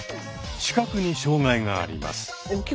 視覚に障がいがあります。